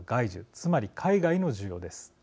つまり海外の需要です。